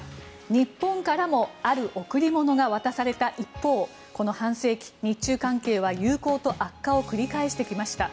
日本からもある贈り物が渡された一方この半世紀、日中関係は友好と悪化を繰り返してきました。